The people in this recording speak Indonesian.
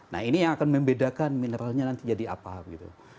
nah ini yang akan membedakan mineralnya nanti jadi apa gitu